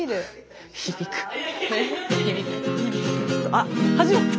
あっ始まった。